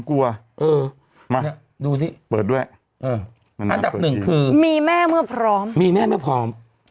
มาดูซิเปิดด้วยอันดับ๑คือเพราะมีแม่เมื่อพร้อม